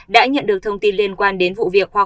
đã nhận được thông tin liên quan đến vụ việc